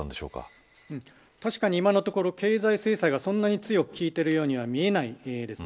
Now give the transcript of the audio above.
確かに、今のところ経済制裁がそんなに強くきいているようには見えません。